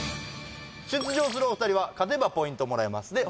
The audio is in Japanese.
出場するお二人は勝てばポイントもらえます